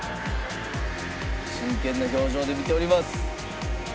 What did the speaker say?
真剣な表情で見ております。